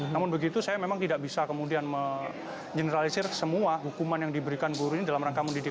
namun begitu saya memang tidak bisa kemudian mengeneralisir semua hukuman yang diberikan guru ini dalam rangka mendidik